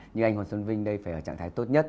như anh hồ xuân vinh đây phải ở trạng thái tốt nhất